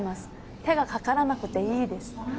手がかからなくていいですああ